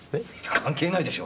関係ないでしょう！